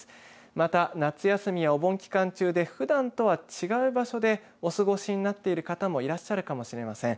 また、夏休みやお盆期間中でふだんとは違う場所でお過ごしになっている方もいらっしゃるかもしれません。